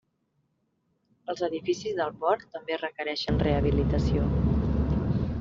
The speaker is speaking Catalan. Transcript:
Els edificis del port també requereixen rehabilitació.